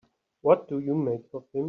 What do you make of him?